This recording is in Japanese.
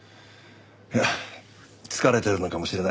いや疲れてるのかもしれない。